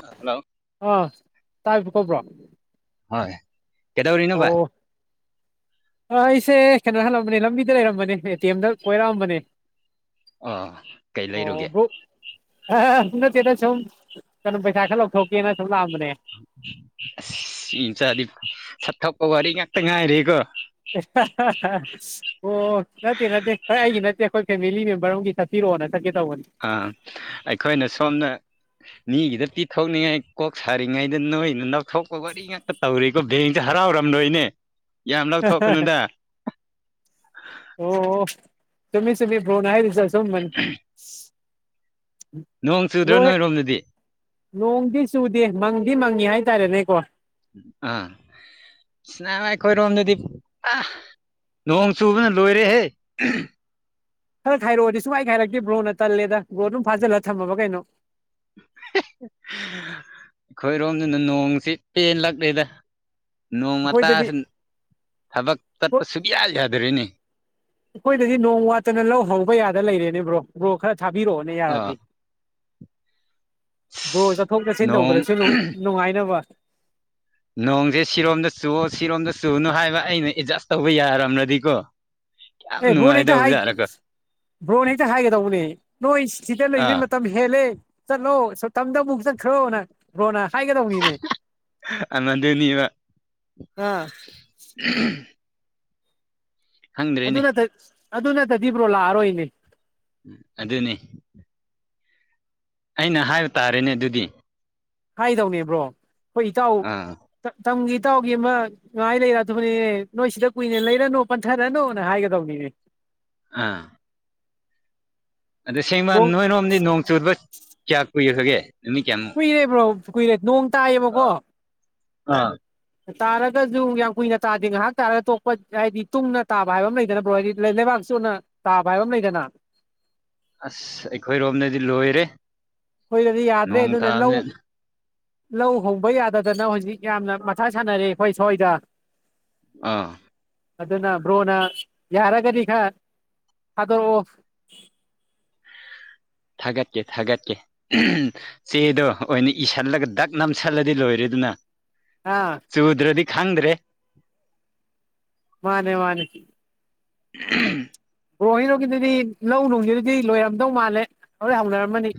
Hello ꯑ ꯇꯥꯏꯔꯤꯕꯣ ꯀꯧꯕ꯭ꯔꯣ ꯍꯣꯏ ꯀꯩꯗꯧꯔꯤꯅꯣ ꯚꯥꯏ ꯑꯣ [unintelligible] ꯑ ꯑꯩꯁꯦ ꯀꯩꯅꯣ ꯍꯜꯂꯝꯕꯅꯦ ꯂꯝꯕꯤꯗ ꯂꯩꯔꯝꯕꯅꯦ ꯑꯦ ꯇꯤ ꯑꯦꯝꯗ ꯀꯣꯏꯔꯛꯑꯝꯕꯅꯦ ꯑꯥ ꯀꯩ ꯂꯩꯔꯨꯒꯦ ꯑ ꯅꯠꯇꯦꯗ ꯁꯨꯝ ꯀꯩꯅꯣ ꯄꯩꯁꯥ ꯈꯔ ꯂꯧꯊꯣꯛꯀꯦꯅ ꯁꯨꯝ ꯂꯥꯛꯑꯝꯕꯅꯦ ꯑꯁ ꯏ ꯆꯗꯤ ꯁꯠꯊꯛꯄ ꯋꯥꯔꯤ ꯉꯥꯛꯇ ꯉꯥꯏꯔꯦꯀꯣ [unintelligible] ꯑꯣ ꯅꯠꯇꯦ ꯅꯠꯇꯦ ꯑꯣꯏ ꯑꯩꯒꯤ ꯅꯠꯇꯦ ꯑꯩꯈꯣꯏ ꯐꯦꯃꯤꯂꯤ ꯃꯦꯝꯕꯔ ꯑꯃꯒꯤ ꯆꯠꯄꯤꯔꯛꯑꯣꯅ ꯆꯠꯀꯦ ꯇꯧꯕꯅꯤ ꯑ ꯑꯩꯈꯣꯏꯅ ꯁꯣꯝꯅ ꯃꯤꯒꯤꯗ ꯄꯤꯊꯣꯛꯅꯤꯡꯉꯥꯏ ꯀꯣꯛ ꯁꯥꯔꯤꯉꯩꯗ ꯅꯣꯏꯅ ꯅꯣꯛ ꯊꯣꯛꯄ ꯋꯥꯔꯤ ꯉꯥꯛꯇ ꯇꯧꯔꯤꯀꯣ ꯕꯦꯡꯁꯦ ꯍꯔꯥꯎꯔꯝꯂꯣꯏꯅꯦ ꯌꯥꯝ ꯂꯧꯊꯣꯛꯀꯅꯨꯗ ꯑꯣ ꯆꯨꯝꯃꯤ ꯆꯨꯝꯃꯤ ꯕ꯭ꯔꯣꯅ ꯍꯥꯏꯔꯤꯗꯣ ꯑꯆꯨꯝꯕꯅꯤ ꯅꯣꯡ ꯆꯨꯗ꯭ꯔꯣ ꯂꯣꯏꯌꯦ ꯅꯣꯏꯔꯣꯝꯗꯗꯤ ꯅꯣꯡꯗꯤ ꯆꯨꯗꯦ ꯃꯪꯗꯤ ꯃꯪꯉꯤ ꯍꯥꯏꯇꯥꯔꯦꯅꯦꯀꯣ ꯑꯥ ꯏ ꯑꯩꯈꯣꯏꯔꯣꯝꯗꯗꯤ ꯑ ꯅꯣꯡ ꯆꯨꯕꯅ ꯂꯣꯏꯔꯦꯍꯦ ꯈꯔ ꯈꯥꯏꯔꯛꯑꯣ ꯁꯨꯈꯥꯏ ꯍꯥꯏꯔꯛꯇꯦ ꯕ꯭ꯔꯣꯅ ꯇꯜꯂꯦꯗ ꯕ꯭ꯔꯣ ꯑꯗꯨꯝ ꯐꯥꯖꯤꯜꯂ ꯊꯝꯃꯕ ꯀꯩꯅꯣ [unintelligible] ꯑꯩꯈꯣꯏꯔꯣꯝꯗꯅ ꯅꯣꯡꯁꯤ ꯄꯦꯟꯂꯛꯂꯦꯗ ꯑꯩꯈꯣꯏꯗꯗꯤ ꯅꯣꯡꯃꯇꯁꯅꯨ ꯊꯕꯛ ꯆꯠꯄ ꯍꯣꯏ ꯁꯨꯛꯌꯥ ꯌꯥꯗꯔꯤꯅꯤ ꯑꯩꯈꯣꯏꯗꯗꯤ ꯅꯣꯡ ꯋꯥꯠꯇꯅ ꯂꯧ ꯍꯧꯕ ꯌꯥꯗ ꯂꯩꯔꯦꯅꯦꯕ꯭ꯔꯣ ꯕ꯭ꯔꯣ ꯈꯔ ꯊꯥꯕꯤꯔꯛꯑꯣꯅꯦ ꯑꯥ ꯌꯥꯔꯗꯤ ꯕ꯭ꯔꯣꯍꫭꯏ ꯆꯠꯊꯣꯛ ꯆꯠꯁꯤꯟ ꯅꯣꯡ ꯇꯧꯕꯗꯁꯨ ꯅꯨꯡꯉꯥꯏꯅꯕ ꯅꯣꯡꯁꯦ ꯁꯤꯔꯣꯝꯗ ꯆꯨ ꯁꯤꯔꯣꯝꯗ ꯆꯨꯅꯨ ꯍꯥꯏꯕ ꯑꯩꯅ ꯑꯦꯗꯖꯁ ꯇꯧꯕ ꯌꯥꯔꯝ꯭ꯔꯗꯤꯀꯣ ꯑꯦ ꯕ꯭ꯔꯣꯟ ꯍꯦꯛꯇ ꯍꯥꯏ ꯕ꯭ꯔꯣꯟ ꯍꯦꯛꯇ ꯍꯥꯏꯒꯗꯧꯕꯅꯦ ꯅꯣꯏ ꯁꯤꯗ ꯂꯩꯕꯩ ꯑꯥ ꯃꯇꯝ ꯍꯦꯂꯦ ꯆꯂꯣ ꯁ ꯇꯠꯗ ꯑꯃꯨꯛ ꯆꯠ ꯈ꯭ꯔꯣꯅ ꯕ꯭ꯔꯣꯅ ꯍꯥꯏꯒꯗꯧꯅꯤꯅꯦ ꯃꯗꯨꯅꯤꯕ ꯑꯥ [unintelligible] ꯈꯪꯗ꯭ꯔꯦꯅꯦ ꯑꯗꯨꯅꯠ ꯑꯗꯨ ꯅꯠꯇꯗꯤ ꯕ꯭ꯔꯣ ꯂꯥꯛꯑꯔꯣꯏꯅꯦ ꯎꯝ ꯑꯗꯨꯅꯤ ꯑꯩꯅ ꯍꯥꯏꯕ ꯇꯥꯔꯦꯅꯦ ꯑꯗꯨꯗꯤ ꯍꯥꯏꯗꯧꯅꯦꯕ꯭ꯔꯣ ꯑꯩꯈꯣꯏ ꯏꯇꯥꯎ ꯑꯥ ꯇꯝꯒꯤ ꯏꯇꯥꯎꯒꯤ ꯑꯃ ꯥꯉꯥꯏ ꯂꯩꯔ ꯑꯗꯨꯕꯅꯦ ꯅꯣꯏ ꯁꯤꯗ ꯀꯨꯏꯅꯦ ꯂꯩꯔꯅꯨ ꯄꯟꯊꯔꯅꯨꯅ ꯍꯥꯏꯒꯗꯧꯅꯤꯅꯦ ꯑꯥ ꯑꯗ ꯁꯦꯡꯕ ꯕ꯭ꯔꯣ ꯅꯣꯏꯔꯣꯝꯗꯤ ꯅꯣꯡ ꯆꯨꯗꯕ ꯀꯌꯥ ꯀꯨꯏꯈꯒꯦ ꯀꯨꯏꯔꯦ ꯕ꯭ꯔꯣ ꯀꯨꯏꯔꯦ ꯅꯣꯡ ꯇꯥꯏꯌꯦꯕꯀꯣ ꯑꯥ ꯇꯥꯔꯒꯁꯨ ꯌꯥꯝ ꯀꯨꯏꯅ ꯇꯥꯗꯦ ꯉꯥꯏꯍꯥꯛ ꯇꯥꯔꯒ ꯇꯣꯛꯄ ꯍꯥꯏꯗꯤ ꯇꯨꯡꯅ ꯇꯥꯕ ꯍꯥꯏꯕ ꯑꯃ ꯂꯩꯗꯅꯕ꯭ꯔꯣ ꯍꯥꯏꯗꯤ ꯂꯩꯕꯥꯛ ꯆꫭꯠꯅ ꯇꯥꯕ ꯍꯥꯏꯕ ꯑꯃ ꯂꯩꯗꯅ ꯑꯁ ꯑꯩꯈꯣꯏꯔꯣꯝꯗꯗꯤ ꯂꯣꯏꯔꯦ ꯑꯈꫭꯏꯗꯗꯤ ꯌꯥꯗ꯭ꯔꯦ ꯅꯣꯡ ꯑꯗꯨꯅ ꯂꯧ ꯇꯥꯕꯅꯤꯅ ꯂꯧ ꯍꯣꯡꯕ ꯌꯥꯗꯗꯅ ꯍꯧꯖꯤꯛ ꯌꯥꯝꯅ ꯃꯆꯥ ꯁꯥꯟꯅꯔꯦ ꯑꯩꯈꯣꯏ ꯁꫭꯏꯗ ꯑꯥ ꯑꯗꯨꯅ ꯕ꯭ꯔꯣꯅ ꯌꯥꯔꯒꯗꯤ ꯈꯥ ꯊꯥꯗꯣꯔꯛꯑꯣ ꯊꯥꯒꯠꯀꯦ ꯊꯥꯒꯠꯀꯦ ꯆꯦꯗꯣ ꯑꯣꯏꯅ ꯏꯁꯤꯜꯂꯒ ꯗꯛ ꯅꯝꯁꯤꯜꯂꯗꯤ ꯂꯣꯏꯔꯦꯗꯅ ꯑꯥ ꯆꯨꯗ꯭ꯔꯗꯤ ꯈꯪꯗ꯭ꯔꯦ ꯃꯥꯅꯦ ꯃꯥꯅꯦ [unintelligible] ꯕ꯭ꯔꫭ ꯍꫭꯏꯔꫭꯝꯒꯤꯗꯨꯗꯤ ꯂꯧ ꯅꯨꯡꯁꯤ ꯑꯗꯨꯗꯤ ꯂꯣꯏꯔꯝꯗꯧ ꯃꯥꯜꯂꯦ ꯂꫭꯏ ꯍꯧꯅꯔꯝꯃꯅꯤ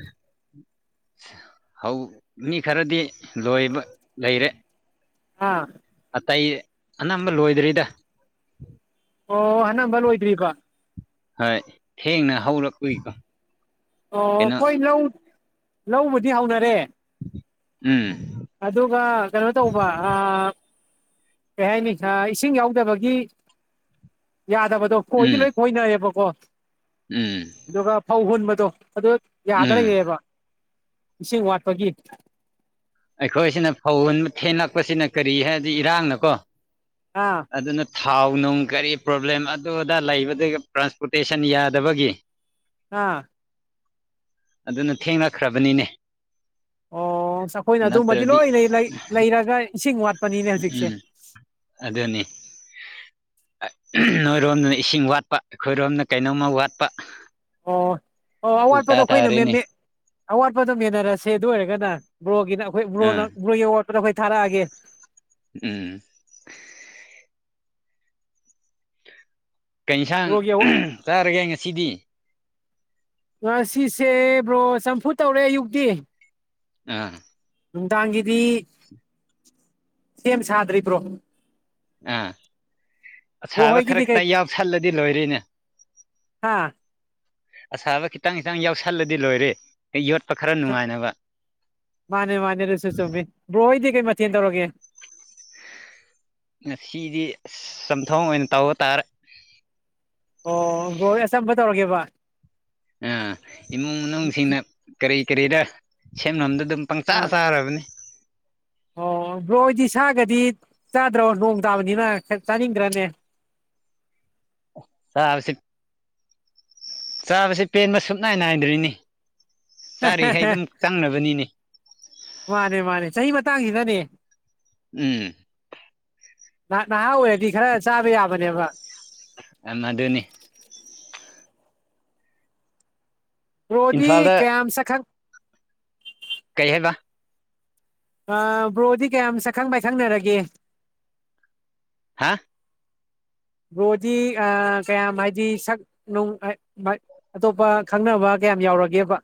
ꯍꯧ ꯃꯤ ꯈꯔꯗꯤ ꯂꯣꯏꯕ ꯂꯩꯔꯦ ꯑꯥ ꯑꯇꯩ ꯑꯅꯝꯕ ꯂꯣꯏꯗ꯭ꯔꯤꯗ ꯑꯣ ꯑꯅꯝꯕ ꯂꯣꯏꯗ꯭ꯔꯤꯕ ꯍꯣꯏ ꯊꯦꯡꯅ ꯍꯧꯔꯛꯄꯩꯀꯣ ꯑꯣ ꯍꯣꯏ ꯂꯧ ꯂꯧꯕꯨꯗꯤ ꯍꯧꯅꯔꯦ ꯎꯝ ꯑꯗꯨꯒ ꯀꯩꯅꯣ ꯇꯧꯕ ꯑꯥ ꯀꯩ ꯍꯥꯏꯅꯤ ꯏꯁꯤꯡ ꯌꯥꯎꯗꯕꯒꯤ ꯌꯥꯗꯕꯗꯣ ꯈꫭꯏꯗꯤ ꯎꯝ ꯂꯣꯏ ꯈꫭꯏꯅꯏꯔꯦꯕꯀꯣ ꯎꯝ ꯑꯗꯨꯒ ꯐꯧ ꯍꯨꯟꯕꯗꯣ ꯑꯗꯨ ꯌꯥꯗ ꯎꯝ ꯂꯩꯔꯕ ꯏꯁꯤꯡ ꯋꯥꯠꯄꯒꯤ ꯑꯩꯈꯣꯏꯁꯤꯅ ꯐꯧ ꯊꯦꯡꯂꯛꯄꯁꯤꯅ ꯀꯔꯤ ꯍꯥꯏꯗꯤ ꯏꯔꯥꯡꯅꯀꯣ ꯑꯥ ꯑꯗꯨꯅ ꯊꯥꯎ ꯅꯨꯡ ꯀꯔꯤ ꯄ꯭ꯔꯣꯕ꯭ꯂꯦꯝ ꯑꯗꯨ ꯑꯗꯥ ꯂꯩꯕꯗꯨ ꯇ꯭ꯔꯥꯟꯁꯄꯣꯔꯇꯦꯁꯟ ꯌꯥꯗꯕꯒꯤ [inaudible] ꯑꯥ ꯑꯗꯨꯅ ꯊꯦꯡꯅꯈ꯭ꯔꯕꯅꯤꯅꯦ ꯑꯣ ꯑꯁ ꯑꯩꯈꯣꯏꯅ ꯑꯗꯨꯝꯕꯗꯤ ꯅꯠꯇ꯭ꯔꯗꯤ ꯂꯣꯏꯅ ꯂꯩꯔꯒ ꯏꯁꯤꯡ ꯋꯥꯠ ꯎꯝ ꯑꯗꯨꯅꯤ ꯅꯣꯏꯔꯣꯝꯗꯅ ꯏꯁꯤꯡ ꯋꯥꯠꯄ ꯑꯩꯈꯣꯏꯔꯣꯝꯅ ꯀꯩꯅꯣꯝꯃ ꯋꯥꯠꯄ ꯑꯣ ꯑꯣ ꯎꯜꯇꯥ ꯑꯋꯥꯠꯄꯗꯣ ꯑꯩꯈꯣꯏꯅ ꯇꯥꯔꯦꯅꯦ [unintelligible] ꯑꯋꯥꯠꯄꯗꯣ ꯃꯦꯟꯅꯔꯁꯦ ꯑꯗꯨ ꯑꯣꯏꯔꯒꯅ ꯕ꯭ꯔꯣꯒꯤꯅ ꯑꯩꯈꯣꯏ ꯕ꯭ꯔꯣꯅ ꯑꯥ ꯕ꯭ꯔꯣꯒꯤ ꯑꯋꯥꯠꯄꯗꯣ ꯑꯩꯈꯣꯏ ꯊꯥꯔꯛꯑꯒꯦ ꯎꯝ ꯀꯩ ꯏꯟꯁꯥꯡ ꯕ꯭ꯔꯣꯒꯤ ꯆꯥꯔꯒꯦ ꯉꯁꯤꯗꯤ ꯉꯁꯤꯁꯦ ꯕ꯭ꯔꯣ ꯆꯝꯐꯨꯠ ꯇꯧꯔꯦ ꯑꯌꯨꯛꯇꯤ ꯑꯝ ꯅꯨꯡꯗꯥꯡꯒꯤꯗꯤ ꯁꯦꯝ ꯁꯥꯗ꯭ꯔꯤ ꯕ꯭ꯔꯣ ꯑꯥ ꯕ꯭ꯔꯣ ꯑꯁꯥꯕ ꯍꯣꯏꯒꯤꯗꯤ ꯈꯔ ꯈꯤꯇꯪ ꯀꯩ ꯌꯥꯁꯜꯂꯗꯤ ꯂꯣꯏꯔꯤꯅꯦ ꯍꯥꯥ ꯑꯁꯥꯕ ꯈꯤꯇꯪ ꯈꯤꯇꯪ ꯌꯥꯎꯁꯜꯂꯗꯤ ꯂꯣꯏꯔꯦ ꯌꯣꯠꯄ ꯈꯔ ꯅꯨꯡꯉꯥꯏꯅꯕ ꯃꯥꯅꯦ ꯃꯥꯅꯦ ꯑꯗꯨꯁꯨ ꯆꯨꯝꯃꯤ ꯕ꯭ꯔꯣ ꯍꯣꯏꯗꯤ ꯀꯩ ꯃꯊꯦꯜ ꯇꯧꯔꯒꯦ ꯉꯁꯤꯗꯤ ꯑꯁ ꯆꯝꯊꯣꯡ ꯑꯣꯏꯅ ꯇꯧꯕ ꯇꯥꯔꯦ ꯑꯣ ꯕ꯭ꯔꯣ ꯍꯣꯏ ꯑꯆꯝꯕ ꯇꯧꯔꯒꯦꯕ ꯑꯝ ꯏꯃꯨꯡ ꯃꯅꯨꯡꯁꯤꯡꯅ ꯀꯔꯤ ꯀꯔꯤꯔ ꯁꯦꯝꯅꯕꯗꯣ ꯑꯗꯨꯝ ꯄꯪꯆꯥ ꯑꯪ ꯆꯥꯔꯕꯅꯤ ꯑꯣ ꯕ꯭ꯔꯣꯍꯣꯏꯗꯤ ꯁꯥꯒꯗꯤ ꯆꯥꯗ꯭ꯔꯣ ꯅꯣꯡ ꯇꯥꯕꯅꯤꯅ ꯈꯔ ꯆꯥꯅꯤꯡꯗ꯭ꯔꯅꯦ ꯆꯥꯕꯁꯤ ꯆꯥꯕꯁꯤ ꯄꯦꯟꯕ ꯁꯨꯞ ꯅꯥꯏ ꯅꯥꯏꯗ꯭ꯔꯤꯅꯦ ꯆꯥꯔꯤꯈꯩ ꯑꯗꯨꯝ ꯆꯪꯅꯕꯅꯤꯅꯦ ꯃꯥꯅꯦ ꯃꯥꯅꯦ ꯆꯍꯤ ꯃꯇꯥꯡꯁꯤꯅꯅꯦ ꯎꯝ ꯅꯍꯥꯛ ꯅꯍꯥ ꯑꯣꯏꯔꯗꯤ ꯈꯔ ꯆꯥꯕ ꯌꯥꯕꯅꯦꯕ ꯑꯃꯗꯨꯅꯤ ꯕ꯭ꯔꯣꯗꯤ ꯏꯝꯐꯥꯜꯗ ꯀꯌꯥꯝ ꯁꯛ ꯈꯪ ꯀꯩ ꯍꯥꯏꯕ ꯑ ꯕ꯭ꯔꯣꯗꯤ ꯀꯌꯥꯝ ꯁꯛꯈꯪ ꯃꯥꯏꯈꯪꯅꯔꯒꯦ ꯍꯥ ꯕ꯭ꯔꯣꯗꯤ ꯑ ꯀꯌꯥꯝ ꯍꯥꯏꯗꯤ ꯁꯛ [unintelligible] ꯑꯇꯣꯞꯄ ꯈꯪꯅꯕ ꯀꯌꯥꯝ ꯌꯥꯎꯔꯒꯦꯕ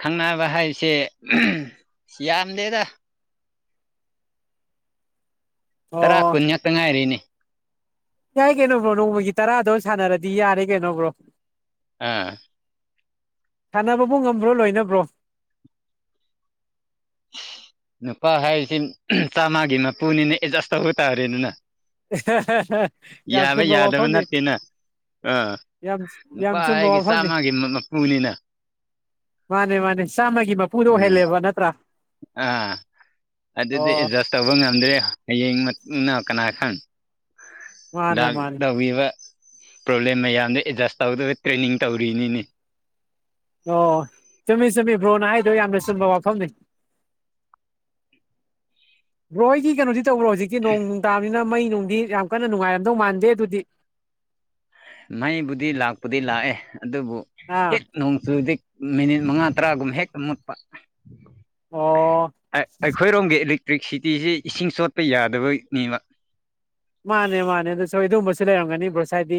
ꯈꯪꯅꯕ ꯍꯥꯏꯕꯁꯦ ꯌꯥꯝꯗꯦꯗ ꯇꯔꯥ ꯑꯣ ꯀꯨꯟ ꯉꯥꯛꯛꯇ ꯉꯥꯏꯔꯤꯅꯦ ꯌꯥꯏ ꯀꯩꯅꯣ ꯕ꯭ꯔꯣ ꯅꯣꯡꯃꯒꯤ ꯇꯔꯥꯗꯣ ꯁꯥꯟꯅꯔꯗꯤ ꯌꯥꯔꯦ ꯀꯩꯅꯣ ꯕ꯭ꯔꯣ ꯑꯥ ꯁꯥꯟꯅꯕꯕꯨ ꯉꯝꯕ꯭ꯔꯣ ꯂꯣꯏꯅ ꯕ꯭ꯔꯣ ꯅꯨꯄꯥ ꯍꯥꯏꯔꯤꯁꯤ ꯆꯥꯝꯃꯒꯤ ꯃꯄꯨꯅꯤꯅ ꯑꯦꯗꯖꯥꯁ ꯇꯧꯕ ꯇꯥꯔꯦꯗꯅ ꯌꯥꯝ ꯌꯥꯕ ꯆꯨꯝꯕ ꯌꯥꯗꯕ ꯋꯥꯐꯝꯅꯤ ꯅꯠꯇꯦꯅ ꯑꯥ ꯌꯥꯝ ꯅꯨꯄꯥ ꯌꯥꯝ ꯆꯨꯝꯕ ꯍꯥꯏꯒꯤ ꯋꯥꯐꯝꯅꯤ ꯆꯥꯝꯃꯒꯤ ꯃꯄꯨꯅꯤꯅ ꯃꯥꯅꯦ ꯃꯥꯅꯦ ꯆꯥꯝꯃꯒꯤ ꯃꯄꯨꯗꯣ ꯎꯝ ꯑꯣꯏꯍꯜꯂꯦꯕ ꯅꯠꯇ꯭ꯔꯥ ꯑꯥ ꯑꯗꯨꯗꯤ ꯑꯣ ꯑꯗꯖꯁ ꯇꯧꯕ ꯉꯝꯗ꯭ꯔꯦ ꯍꯌꯦꯡ [unintelligible] ꯀꯅꯥ ꯈꯪ ꯃꯥꯅꯦ ꯃꯥꯅꯦ ꯂꯥꯛꯇꯧꯔꯤꯕ ꯄ꯭ꯔꯣꯕ꯭ꯂꯦꯝ ꯃꯌꯥꯝꯗꯣ ꯑꯦꯗꯖꯁ ꯇꯧꯗꯧꯕ ꯩ ꯇ꯭ꯔꯦꯅꯤꯡ ꯇꯧꯔꯤꯅꯤꯅꯦ ꯑꯣ ꯆꯨꯝꯃꯤ ꯆꯨꯝꯃꯤ ꯕ꯭ꯔꯣꯅ ꯍꯥꯏꯗꯣ ꯌꯥꯝꯅ ꯆꯨꯝꯕ ꯋꯥꯐꯝꯅꯤ ꯕ꯭ꯔꯣ ꯑꯩꯒꯤ ꯀꯩꯅꯣꯗꯤ ꯇꯧꯕ꯭ꯔꯣ ꯍꯧꯖꯤꯛꯀꯤ ꯅꯣꯡ ꯅꯨꯡ ꯇꯥꯕꯅꯤꯅ ꯃꯩ ꯅꯨꯡꯗꯤ ꯌꯥꯝ ꯀꯟꯅ ꯅꯨꯡꯉꯥꯏꯔꯝꯗꯧ ꯃꯥꯟꯗꯦ ꯑꯗꯨꯗꯤ ꯃꯩꯕꯨꯗꯤ ꯂꯥꯛꯄꯨꯗꯤ ꯂꯥꯛꯑꯦ ꯑꯗꯨꯕꯨ ꯑꯥ ꯍꯦꯛ ꯅꯣꯡꯆꯨꯔꯗꯤ ꯃꯤꯅꯤꯠ ꯃꯉꯥ ꯇꯔꯥꯒꯨꯝ ꯍꯦꯛꯇ ꯃꯨꯠꯄ ꯑꯣ ꯑꯩ ꯑꯩꯈꯣꯏꯔꯣꯝꯒꯤ ꯏꯂꯦꯛꯇ꯭ꯔꯤꯛꯁꯤꯇꯤꯁꯤ ꯏꯁꯤꯡ ꯆꯣꯠꯄ ꯌꯥꯗꯕꯩꯅꯤꯕ ꯃꯥꯅꯦ ꯃꯥꯅꯦ ꯑꯗꯁꯨ ꯑꯗꯨꯒꯨꯝꯕꯁꯨ ꯂꯩꯔꯝꯒꯅꯤ ꯕ꯭ꯔꯣꯁ ꯍꯥꯏꯗꯤ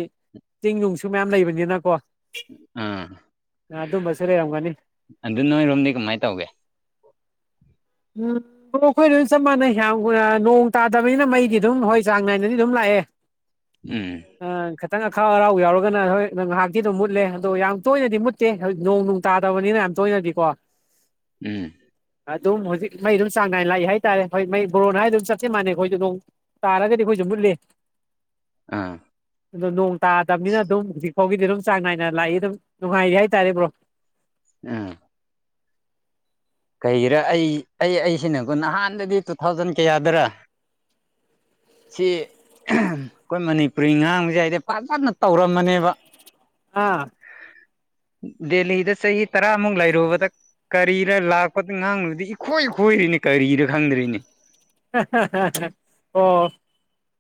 ꯆꯤꯡ ꯅꯨꯡꯁꯨ ꯃꯌꯥꯝ ꯂꯩꯕꯅꯤꯅꯀꯣ ꯑꯥ ꯑꯥ ꯑꯗꯨꯝꯕꯁꯨ ꯂꯩꯔꯝꯒꯅꯤ ꯑꯗꯨ ꯅꯣꯏꯔꯣꯝꯗꯤ ꯀꯃꯥꯏꯟ ꯇꯧꯒꯦ ꯎꯝ ꯑꯣ ꯑꯩꯈꯣꯏ ꯂꯣꯏ ꯆꯞ ꯃꯥꯟꯅꯩ ꯌꯥꯝ ꯀꯨꯅ ꯅꯣꯡ ꯇꯥꯗꯕꯅꯤꯅ ꯃꯩꯗꯤ ꯑꯗꯨꯝ ꯍꯣꯏ ꯆꯥꯡ ꯅꯥꯏꯅꯗꯤ ꯑꯗꯨꯝ ꯂꯥꯛꯑꯦ ꯎꯝ ꯑꯥ ꯈꯇꯪ ꯑꯈꯥꯛ ꯑꯔꯥꯎ ꯌꯥꯎꯔꯒꯅ ꯍꯣꯏ ꯉꯍꯥꯛꯇꯤ ꯑꯗꯨꯝ ꯃꯨꯠꯂꯦ ꯑꯗꯣ ꯌꯥꯝ ꯇꯣꯏꯅꯗꯤ ꯃꯨꯠ ꯇꯦ ꯍꯣꯏ ꯅꯣꯡ ꯅꯨꯡ ꯇꯥꯗꯕꯅꯤꯅ ꯌꯥꯝ ꯇꯣꯏꯅꯗꯤ ꯀꯣ ꯎꯝ ꯑꯗꯨꯝ ꯍꯧꯖꯤꯛ ꯃꯩ ꯑꯗꯨꯝ ꯆꯥꯡ ꯅꯥꯏꯅ ꯂꯥꯛꯏ ꯍꯥꯏꯇꯥꯔꯦ ꯍꯣꯏ ꯃꯩ ꯕ꯭ꯔꯣꯅ ꯍꯥꯏꯗꯨ ꯆꯄꯇꯤ ꯃꯥꯟꯩ ꯑꯈꯣꯏꯖꯨ ꯅꯣꯡ ꯇꯥꯔꯒꯗꯤ ꯑꯈꯣꯏꯖꯨ ꯃꯨꯠꯂꯤ ꯑꯥ ꯑꯗꯣ ꯅꯣꯡ ꯇꯥꯗꯕꯅꯤꯅ ꯑꯗꯨꯝ ꯍꯧꯖꯤꯛ ꯐꯥꯎꯒꯤꯗꯤ ꯑꯗꯨꯝ ꯆꯥꯡ ꯅꯥꯏꯅ ꯂꯥꯛꯏ ꯑꯗꯨꯝ ꯅꯨꯡꯉꯥꯏꯔꯤ ꯍꯥꯏꯇꯥꯔꯦ ꯕ꯭ꯔꯣ [inaudible] ꯀꯩꯒꯤꯔ ꯑꯩ ꯑꯩ ꯑꯩꯁꯤꯅꯀꯣ ꯅꯍꯥꯟꯗꯗꯤ ꯇꯨ ꯊꯥꯎꯖꯟ ꯀꯌꯥꯗꯔ ꯁꯤ ꯑꯩꯈꯣꯏ ꯃꯅꯤꯄꯨꯔꯤ ꯉꯥꯡꯕꯖꯦ ꯑꯩꯗꯤ ꯐꯥꯖꯅ ꯇꯧꯔꯝꯕꯅꯦꯕ ꯑꯥ ꯗꯦꯂꯤꯗ ꯆꯍꯤ ꯇꯔꯥꯃꯨꯛ ꯂꯩꯔꯨꯕꯗ ꯀꯔꯤꯔ ꯂꯥꯛ ꯄꯥꯛ ꯉꯥꯡꯂꯨꯨꯗꯤ ꯏꯈꯣꯏ ꯈꯣꯏꯔꯤꯅꯦ ꯀꯔꯤꯔ ꯈꯪꯗ꯭ꯔꯤꯅꯦ [unintelligible] ꯑꯣ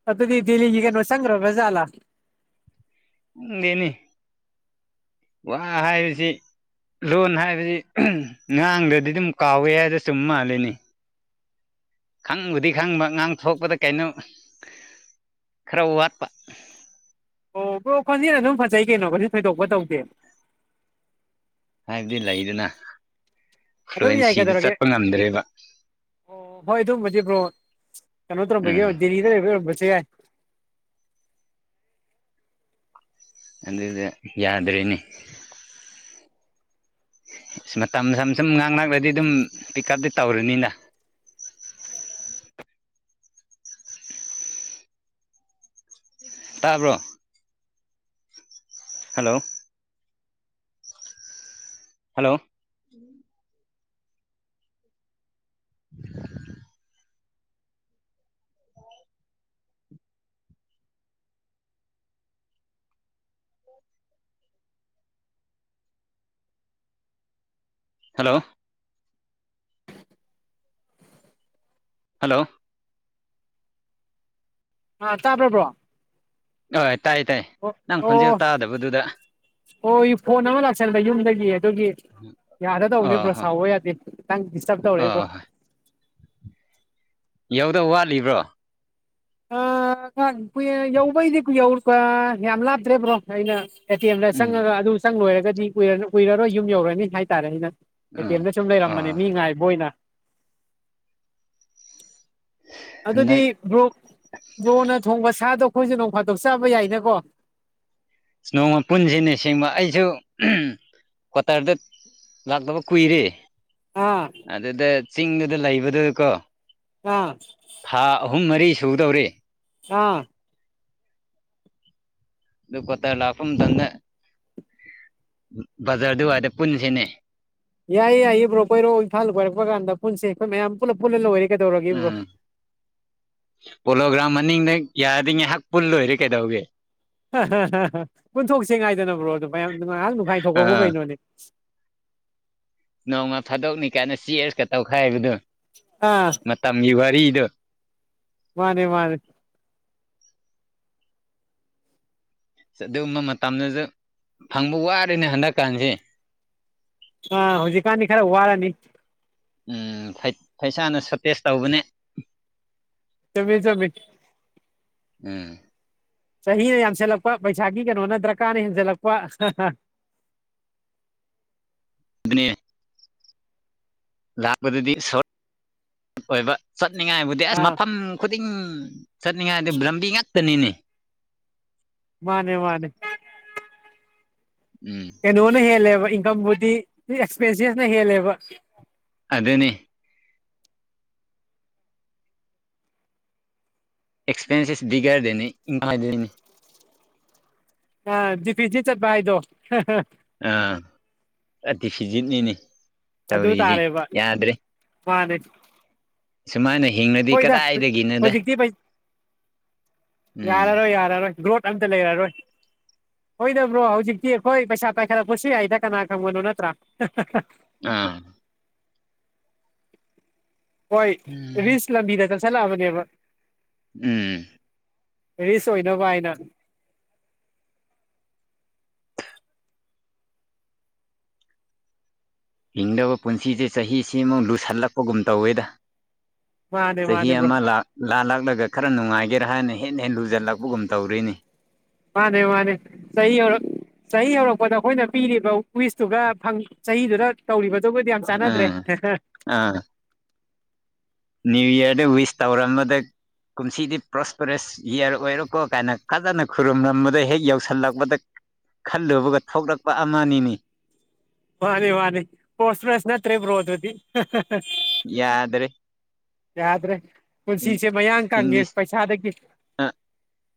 ꯑꯗꯨꯗꯤ ꯗꯦꯂꯤꯒꯤ ꯀꯩꯅꯣ ꯆꯪꯒ꯭ꯔꯥꯕ ꯖꯥꯠꯂ ꯈꯪꯗꯦꯅꯦ ꯋꯥ ꯍꯥꯏꯕꯁꯤ ꯂꯣꯟ ꯍꯥꯏꯕꯗꯤ ꯉꯥꯡꯗꯗꯤ ꯑꯗꯨꯝ ꯀꯥꯎꯋꯦ ꯍꯥꯏꯗꯨ ꯆꯨꯝ ꯃꯥꯜꯂꯤꯅꯦ ꯈꯪꯕꯨꯗꯤ ꯈꯪꯕ ꯉꯥꯡꯊꯣꯛꯄꯗ ꯀꯩꯅꯣ ꯈꯔ ꯋꯥꯠꯄ ꯑꯣ ꯕ꯭ꯔꯣ ꯈꯣꯟꯖꯦꯜ ꯑꯗꯨꯝ ꯐꯖꯩ ꯀꯩꯅꯣ ꯀꯩꯁꯨ ꯊꯣꯏꯗꯣꯛꯄ ꯇꯧꯗꯦ ꯍꯥꯏꯕꯗꯤ ꯂꯩꯗꯅ ꯑꯗꯨꯝ ꯌꯥꯏ ꯐ꯭ꯂꯨꯋꯦꯟꯁꯤꯗ ꯀꯩꯗꯧꯔꯒꯦ ꯆꯠꯄ ꯉꯝꯗ꯭ꯔꯦꯕ ꯑꯣ ꯍꯣꯏ ꯑꯗꯨꯕꯨꯗꯤ ꯕ꯭ꯔꯣ ꯀꯩꯅꯣ ꯇꯧꯔꯝꯕꯒꯤ ꯎꯝ ꯗꯤꯂꯤꯗ ꯂꯩꯕꯩ ꯑꯣꯏꯔꯝꯕꯖꯨ ꯌꯥꯏ ꯑꯗꯨꯗ ꯌꯥꯗ꯭ꯔꯦꯅꯦ ꯑꯁ ꯃꯇꯝ ꯁꯝ ꯁꯨꯝ ꯉꯥꯛꯅꯒ꯭ꯔꯗꯤ ꯑꯗꯨꯝ ꯄꯤꯀꯞꯇꯤ ꯇꯧꯔꯅꯤꯅ ꯇꯥꯕ꯭ꯔꯣ? ꯍꯜꯂꯣ ꯍꯜꯂꯣ [inaudible] ꯍꯜꯂꯣ ꯍꯜꯂꯣ ꯑꯥ ꯇꯥꯕ꯭ꯔꯣ ꯕ꯭ꯔꯣ ꯑꯥ ꯇꯥꯏ ꯇꯥꯏ ꯅꯪ ꯈꯣꯟꯖꯦꯜ ꯇꯥꯗꯕꯗꯨꯗ ꯍꫭꯏ ꯐꯣꯟ ꯑꯃꯥ ꯂꯥꯛꯁꯜꯕ ꯌꯨꯝꯗꯒꯤ ꯑꯗꯨꯒꯤ꯫ ꯌꯥꯗ ꯇꯧꯕꯅꯤ ꯑꯣ ꯕ꯭ꯔꯣ ꯍꯣꯏ ꯁꯥꯎꯕ ꯌꯥꯗꯦ ꯈꯤꯇꯪ ꯗꯤꯁꯇꯕ ꯇꯧꯔꯦ ꯕ꯭ꯔꯣ꯫ ꯑꯣ ꯍꯣꯏ ꯌꯧꯗꯧ ꯋꯥꯠꯂꯤꯕ꯭ꯔꯣ꯫ ꯑ ꯑꯉꯥꯡ ꯄꯨꯌꯦ [unintelligible] ꯌꯧꯕꯩꯗꯤ ꯀꯨꯏꯍꯧ ꯌꯥꯝ ꯂꯥꯞꯇ꯭ꯔꯦ ꯕ꯭ꯔꯣ ꯑꯩꯅ_ _ ꯑꯦ ꯇꯤꯝꯗ ꯎꯝ ꯆꯪꯉꯒ ꯑꯗꯨ ꯆꯪ ꯂꯣꯏꯔꯒꯗꯤ ꯀꯨꯏꯔ ꯀꯨꯏꯔꯔꯣꯏ ꯌꯨꯝ ꯌꯧꯔꯅꯤ ꯍꯥꯏꯇꯥꯔꯦ ꯑꯩꯅ꯫ ꯑꯦ ꯑꯥ ꯇꯤꯝꯗ ꯁꯨꯝ ꯂꯩꯔꯝꯕꯅꯦ ꯑꯥ ꯃꯤ ꯉꯥꯏꯕ ꯑꯣꯏꯅ꯫ ꯑꯗꯨꯗꯤ ꯍꯟꯗꯛ ꯕ꯭ꯔꯣ ꯕ꯭ꯔꯣꯅ ꯊꯣꯡꯕ ꯁꯥꯗꯣ ꯑꯈꯣꯏꯁꯖꯨ ꯅꯣꯡ ꯐꯥꯗꯣꯛ ꯆꯥꯕ ꯌꯥꯏꯅꯀꯣ꯫ ꯅꯣꯡꯃ ꯄꯨꯟꯖꯤꯅꯦ ꯑꯁ‌ꯦꯡꯕ ꯑꯩꯖꯨ ꯑꯝ ꯀ꯭ꯋꯥꯇꯔꯗ_ _ ꯂꯥꯛꯇꯕ ꯀꯨꯏꯔꯦ ꯑꯥ ꯑꯗꯨꯗ ꯆꯤꯡꯗꯨꯗ ꯂꯩꯕꯗꯨ ꯀꯣ꯫ ꯑꯥ_ _ ꯊꯥ ꯑꯍꯨꯝ ꯃꯔꯤ ꯁꯨꯗꯧꯔꯦ꯫ ꯑꯥ꯫ ꯑꯗꯨ ꯀ꯭ꯋꯥꯇꯔ ꯂꯥꯛꯄ ꯃꯇꯝꯗꯥ_ _ ꯕꯖꯥꯔ ꯑꯗꯨꯋꯥꯗ ꯄꯨꯟꯖꯤꯅꯦ꯫ ꯌꯥꯏꯌꯦ ꯌꯥꯏꯌꯦ ꯕ꯭ꯔꯣ ꯀꯣꯏꯔꯛꯑꯣ ꯏꯝꯐꯥꯜꯗ ꯀꯣꯏꯔꯛꯄ ꯀꯥꯟꯗ ꯄꯨꯟꯁꯦ ꯑꯈꯣꯏ ꯃꯌꯥꯝ ꯄꯨꯂꯞ ꯄꯨꯜꯂꯥ ꯂꯣꯏꯔꯦ ꯀꯩꯗꯧꯔꯒꯦ ꯕ꯭ꯔꯣ꯫ ꯎꯝ ꯄꯣꯂꯣꯒ꯭ꯔꯥꯝ ꯃꯅꯤꯡꯗ ꯌꯥꯔꯗꯤ ꯉꯥꯏꯍꯥꯛ ꯄꯨꯜꯂꯣꯏꯔꯦ ꯀꯩꯗꯧꯒꯦ꯫ ꯄꯨꯟꯊꯣꯛꯁꯤ ꯉꯥꯏꯗꯅꯥ ꯕ꯭ꯔꯣ ꯑꯗꯨ ꯃꯌꯥꯝ ꯉꯥꯏꯍꯥꯛ ꯅꯨꯡꯈꯥꯏꯊꯣꯛꯄꯕꯨ ꯑꯥ ꯀꯩꯅꯣꯅꯦ ꯅꯣꯡꯃ ꯐꯥꯗꯣꯛꯅꯤ ꯀꯥꯏꯅ ꯆꯦꯁꯀꯥ ꯇꯧꯈꯥꯏꯕꯗꯣ ꯑꯥ ꯃꯇꯝꯒꯤ ꯋꯥꯔꯤꯗꯣ ꯃꯥꯅꯦ ꯃꯥꯅꯦ ꯑꯗꯨꯒꯨꯝꯕ ꯃꯇꯝꯗꯁꯨ ꯐꯪꯕ ꯋꯥꯔꯦꯅꯦ ꯍꯟꯗꯛꯀꯥꯟꯁ‌ꯦ ꯑꯥ ꯍꯧꯖꯤꯛꯀꯥꯟꯗꯤ ꯈꯔ ꯋꯥꯔꯅꯤ ꯎꯝ ꯄꯩ ꯄꯩꯁꯥꯅꯁꯨ ꯇ‌ꯦꯁ ꯇꯧꯕꯅꯦ ꯆꯨꯝꯃꯤ ꯆꯨꯝꯃꯤ ꯎꯝ ꯆꯍꯤꯅ ꯌꯥꯝꯁꯜꯂꯛꯄ ꯄꯩꯁꯥꯒꯤ ꯀꯩꯅꯣꯅ ꯗꯔꯀꯥꯔꯅ ꯍꯦꯟꯖꯜꯂꯛꯄ ꯑꯗꯨꯅꯦ ꯂꯥꯛꯄꯗꯨꯗꯤ ꯁ [unintelligible] ꯑꯣꯏꯕ ꯆꯠꯅꯤꯡꯉꯥꯏꯕꯨꯗꯤ ꯑꯁ ꯑꯥ ꯃꯐꯝ ꯈꯨꯗꯤꯡ ꯆꯠꯅꯤꯡꯉꯥꯏꯗꯨ ꯔꯝꯕꯤ ꯉꯥꯛꯇꯅꯤꯅꯦ ꯃꯥꯅꯦ ꯃꯥꯅꯦ ꯎꯝ ꯀꯩꯅꯣꯅ ꯍꯦꯜꯂꯦꯕ ꯏꯟꯀꯝꯕꯨꯗꯤ ꯑꯦꯛꯁꯄꯦꯟꯁꯤꯞꯅ ꯍꯦꯜꯂꯦꯕ ꯑꯗꯨꯅꯤ ꯑꯦꯛꯁꯄꯦꯟꯁꯦꯞ ꯗꯤꯒꯔꯗꯅꯤꯗꯣꯏꯅꯤ [unintelligible] ꯑꯥ ꯗꯤ ꯄꯤꯖꯤ ꯆꯠꯄꯥ ꯍꯥꯏꯗꯣ ꯑꯥ ꯑꯇꯤ ꯐꯤꯖꯤꯠꯅꯤꯅꯦ ꯑꯗꯨ ꯇꯧꯔꯤꯁꯦ ꯇꯥꯔꯦꯕ ꯌꯥꯗ꯭ꯔꯦ ꯃꯥꯅꯦ ꯁꯨꯃꯥꯏꯅ ꯍꯤꯡꯉꯗꯤ ꯍꯣꯏꯗ ꯀꯗꯥꯏꯗꯒꯤꯅꯣꯗ ꯍꯧꯖꯤꯛꯇꯤ ꯄꯩ ꯎꯝ ꯌꯥꯔꯔꯣꯏ ꯌꯥꯔꯔꯣꯏ ꯒ꯭ꯔꯣꯠ ꯑꯝꯇ ꯂꯩꯔꯔꯣꯏ ꯍꫭꯏꯗꯕ꯭ꯔꯣ ꯍꯧꯖꯤꯛꯇꯤ ꯑꯩꯈꯣꯏ ꯄꯩꯁꯥ ꯄꯥꯏꯈꯠꯂꯛꯄꯁꯨ ꯌꯥꯏꯗ ꯀꯅꯥ ꯈꯪꯕꯅꯣ ꯅꯠꯇ꯭ꯔꯥ ꯑꯥ ꯍꯣꯏ ꯔꯤꯁ ꯂꯝꯕꯤꯗꯒ ꯆꯠꯁꯤꯜꯂꯛꯑꯕꯅꯦꯕ ꯎꯝ ꯔꯤꯁ ꯑꯣꯏꯅꯕ ꯍꯥꯏꯅ ꯍꯤꯡꯗꯧꯕ ꯄꯨꯟꯁꯤꯁꯦ ꯆꯍꯤꯁꯤꯃꯨꯛ ꯂꯨꯁꯜꯂꯛꯄꯒꯨꯝ ꯇꯧꯋꯦꯗ ꯃꯥꯅꯦ ꯆꯍꯤ ꯃꯥꯅꯦ ꯕ꯭ꯔꯣ ꯑꯃꯥ ꯂꯥꯛ ꯂꯥꯜꯂꯛꯂꯒ ꯈꯔ ꯅꯨꯡꯉꯥꯏꯒꯦꯔꯥ ꯍꯥꯢꯅ ꯍꯦꯟ ꯍꯦꯦꯟ ꯂꯨꯖꯜꯂꯛꯄꯒꯨꯝ ꯇꯧꯔꯤꯅꯤ ꯃꯥꯅꯦ ꯃꯥꯅꯦ ꯆꯍꯤ ꯌꯧꯔꯛ ꯆꯍꯤ ꯌꯧꯔꯛꯄꯗ ꯑꯩꯈꯣꯢꯅ ꯄꯤꯔꯤꯕ ꯋꯤꯁꯇꯨꯒ ꯍꯪ ꯆꯍꯤꯗꯨꯗ ꯇꯧꯔꯤꯕꯗꯨꯒꯗꯤ ꯌꯥꯝ ꯆꯥꯟꯅꯗ꯭ꯔꯦ ꯑꯥ ꯑꯥ ꯅꯤꯌꯨ ꯏꯌ꯭ꯔꯗ ꯋꯤꯁ ꯇꯧꯔ ꯃꯗ ꯀꯨꯝꯁꯤꯗꯤ ꯄ꯭ꯔꯣꯁꯄꯔꯦꯁ ꯏꯌꯥ꯭ꯔ ꯑꯣꯏꯔꯣꯀꯣ ꯀꯥꯏꯅ ꯐꯖꯅ ꯈꯨꯔꯨꯝꯂꯝꯕꯗꯩ ꯍꯦꯛ ꯌꯧꯁꯜꯂꯛꯄꯗ ꯈꯜꯂꯨꯕꯒ ꯊꯣꯛꯂꯛꯄ ꯑꯃꯅꯤꯅꯦ ꯃꯥꯅꯤ ꯃꯥꯅꯤ ꯄꯣꯁꯄ꯭ꯔꯦꯁ ꯅꯠꯇ꯭ꯔꯦ ꯕꯔꯣ ꯑꯗꯨꯗꯤ ꯌꯥꯗ꯭ꯔꯦ ꯌꯥꯗ꯭ꯔꯦ ꯄꯨꯟꯁꯤꯁꯦ ꯃꯌꯥꯡ ꯀꯪꯉꯦ ꯄꯩꯁꯥꯗꯒꯤ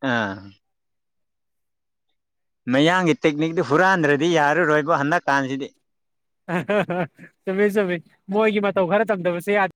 ꯑ ꯃꯌꯥꯡꯒꯤ ꯇꯦꯛꯅꯤꯛꯇꯨ ꯍꯨꯔꯥꯟꯗ꯭ꯔꯗꯤ ꯌꯥꯔꯔꯣꯏꯕꯣ ꯍꯟꯗꯛ ꯇꯥꯟꯖꯤꯗꯤ ꯆꯨꯝꯃꯦ ꯆꯨꯝꯃꯤ ꯃꯣꯏꯒꯤ ꯃꯇꯧ ꯈꯔ ꯇꯝꯗꯕꯁꯨ ꯌꯥ